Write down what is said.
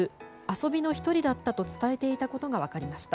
遊びの１人だったと伝えていたことが分かりました。